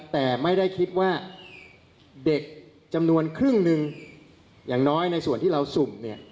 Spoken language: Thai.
แต่ไม่ได้คิดว่าเด็กจำนวนครึ่งหนึ่งอย่างน้อยในส่วนที่เราสุ่มเนี่ย